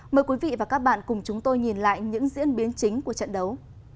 mời quý vị và các bạn cùng chúng tôi nhìn lại những diễn biến chính của trận đấu